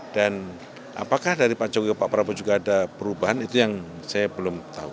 dan apakah dari pak jokowi ke pak prabowo juga ada perubahan itu yang saya belum tahu